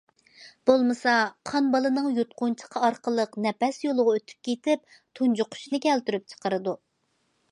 بولمىسا قان بالىنىڭ يۇتقۇنچىقى ئارقىلىق نەپەس يولىغا ئۆتۈپ كېتىپ تۇنجۇقۇشنى كەلتۈرۈپ چىقىرىدۇ.